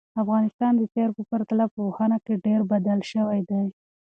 افغانستان د تېر په پرتله په پوهنه کې ډېر بدل شوی دی.